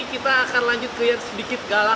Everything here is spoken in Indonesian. kita akan lanjut kelihatan sedikit galak